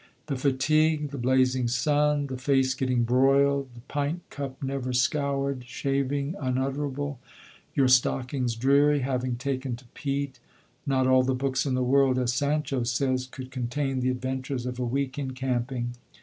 The fatigue, the blazing sun, the face getting broiled, the pint cup never scoured, shaving unutterable, your stockings dreary, having taken to peat, not all the books in the world, as Sancho says, could contain the adventures of a week in camping.